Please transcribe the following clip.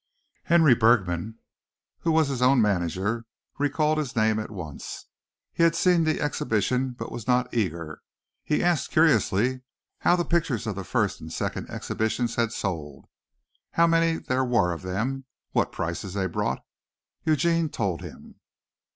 Henry Bergman, who was his own manager, recalled his name at once. He had seen the exhibition but was not eager. He asked curiously how the pictures of the first and second exhibitions had sold, how many there were of them, what prices they brought. Eugene told him.